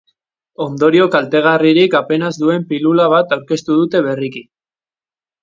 Ondorio kaltegarririk apenas duen pilula bat aurkeztu dute berriki.